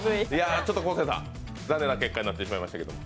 ちょっと昴生さん、残念な結果になってしまいました。